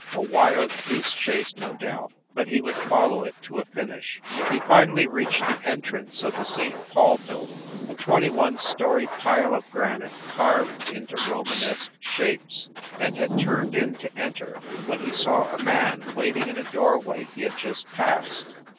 A wild goose chase, no doubt, but he would follow it to a finish. He finally reached the entrance of the St. Paul 204 THE ST. PAUL BUILDING 205 building, a twenty one story pile of granite carved into Romanesque shapes, and had turned in to enter, when he saw a man waiting in a doorway he had just passed.